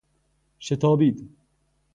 شتابید